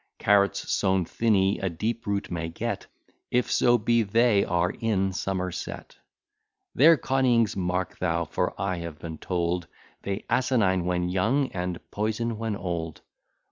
Carrots sown Thynne a deep root may get, If so be they are in Somer set: Their Conyngs mark thou; for I have been told, They assassine when younge, and poison when old.